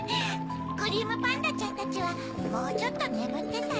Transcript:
クリームパンダちゃんたちはもうちょっとねむってたら？